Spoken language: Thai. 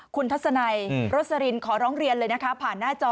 คุณทัศนัยโรสลินขอร้องเรียนเลยนะคะผ่านหน้าจอ